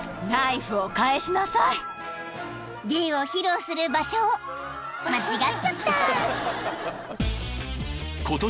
［芸を披露する場所を間違っちゃった！］